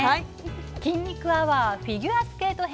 「筋肉アワーフィギュアスケート編」